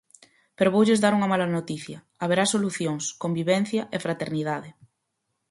Pero voulles dar unha mala noticia: haberá solucións, convivencia e fraternidade.